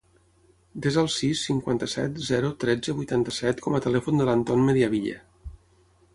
Desa el sis, cinquanta-set, zero, tretze, vuitanta-set com a telèfon de l'Anton Mediavilla.